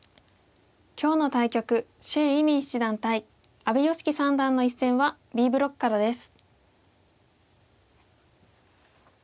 今日の対局謝依旻七段対阿部良希三段の一戦はＢブロックからです。